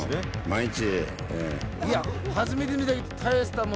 毎日。